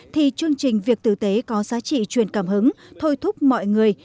thì chương trình việc tử tế có giá trị truyền cảm hứng thôi thúc mọi người